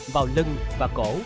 vào lưng và cổ